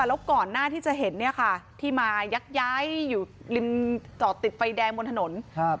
แล้วก่อนหน้าที่จะเห็นที่มายกย้ายตอดติดไฟแดงบนถนน